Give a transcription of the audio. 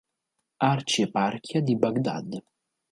Arcieparchia di Baghdad